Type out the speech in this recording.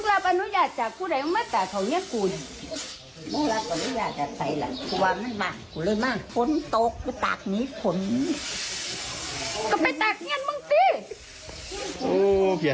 ลูกตัวอ่ะสินะ